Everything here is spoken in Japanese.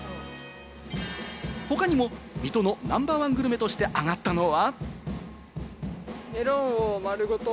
他にも水戸のナンバー１グルメとして挙がったのは。